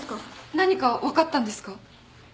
何か分かったんですか？